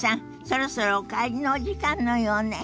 そろそろお帰りのお時間のようね。